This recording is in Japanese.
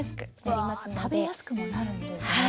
わあ食べやすくもなるんですね。